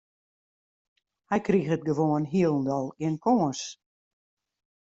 Hy kriget gewoan hielendal gjin kâns.